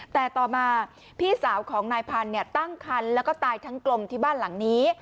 แต่ต่อมาพี่สาวของนายพันธุ์ตั้งคันแล้วก็ตายทั้งกลมที่บ้านหลังนี้